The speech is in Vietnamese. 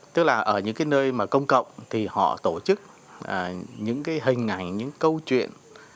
tức là ở những cái nơi mà công cộng thì họ tổ chức những cái hình ảnh những câu chuyện